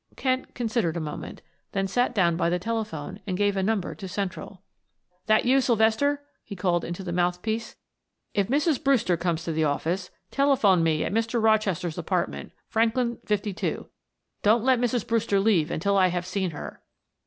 Kent considered a moment, then sat down by the telephone and gave a number to Central. "That you, Sylvester?" he called into the mouth piece. "If Mrs. Brewster comes to the office, telephone me at Mr. Rochester's apartment, Franklin 52. Don't let Mrs. Brewster leave until I have seen her."